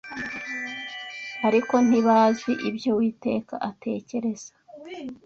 Ariko ntibazi ibyo Uwiteka atekereza